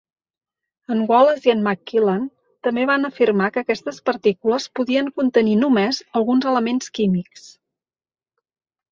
En Wallace i en McQuillan també van afirmar que aquestes partícules podien contenir només alguns elements químics.